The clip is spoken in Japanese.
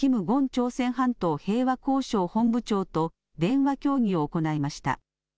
朝鮮半島平和交渉本部長と電話協議を行いました。